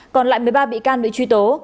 còn lại một mươi ba bị can bị truy tố